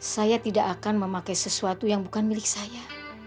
saya tidak akan memakai sesuatu yang bukan milik saya